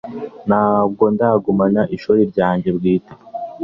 ntabwo ndamugumana, ishuri ryanjye bwite